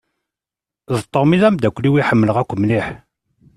D Tom i d amdakel-iw i ḥemmleɣ akk mliḥ.